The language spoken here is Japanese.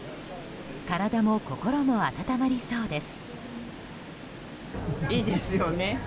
体も心も温まりそうです。